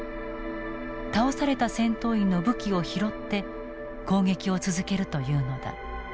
倒された戦闘員の武器を拾って攻撃を続けるというのだ。